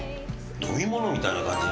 飲み物みたいな感じに。